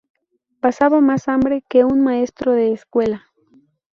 Pasaba más hambre que un maestro de escuela